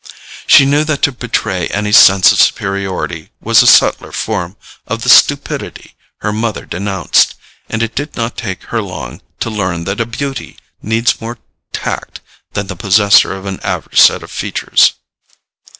She knew that to betray any sense of superiority was a subtler form of the stupidity her mother denounced, and it did not take her long to learn that a beauty needs more tact than the possessor of an average set of features.